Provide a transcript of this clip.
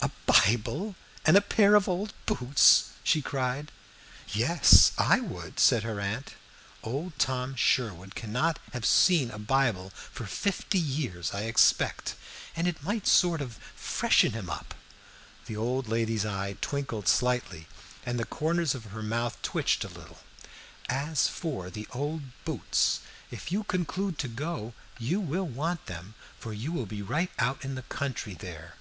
"A Bible and a pair of old boots!" she cried. "Yes, I would," said her aunt. "Old Tom Sherwood cannot have seen a Bible for fifty years, I expect, and it might sort of freshen him up." The old lady's eye twinkled slightly and the corners of her mouth twitched a little. "As for the old boots, if you conclude to go, you will want them, for you will be right out in the country there."